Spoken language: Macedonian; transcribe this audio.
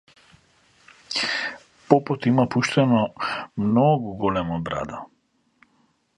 Попот има пуштено многу голема брада.